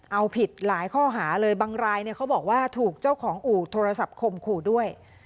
เอาผิดหลายข้อหาเลยบางรายเนี่ยเขาบอกว่าถูกเจ้าของอู่โทรศัพท์คมขู่ด้วย